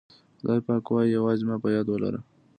خدای پاک وایي یوازې ما په یاد ولره.